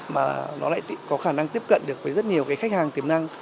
mà nó lại có khả năng tiếp cận được với rất nhiều cái khách hàng tiềm năng